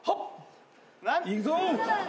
いくぞ。